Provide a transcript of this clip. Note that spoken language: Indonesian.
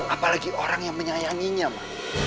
apalagi orang yang menyayanginya mbak